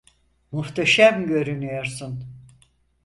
Muhteşem görünüyorsun.